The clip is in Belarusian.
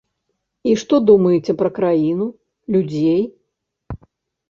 І што думаеце пра краіну, людзей?